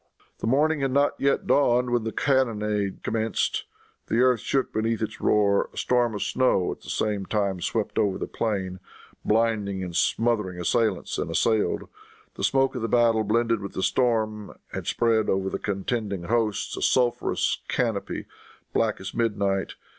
The morning had not yet dawned when the cannonade commenced. The earth shook beneath its roar. A storm of snow at the same time swept over the plain blinding and smothering assailants and assailed. The smoke of the battle blended with the storm had spread over the contending hosts a sulphurous canopy black as midnight.